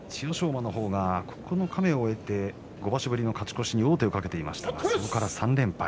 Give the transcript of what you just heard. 馬の方が九日目を終えて５場所ぶりの勝ち越しに王手をかけていましたがそこから３連敗。